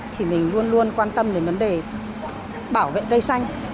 thì mình luôn luôn quan tâm đến vấn đề bảo vệ cây xanh